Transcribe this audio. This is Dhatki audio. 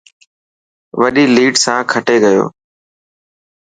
وڏي ليڊ سان کٽي گيو.